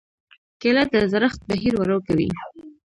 کېله د زړښت بهیر ورو کوي.